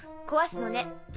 壊すのね？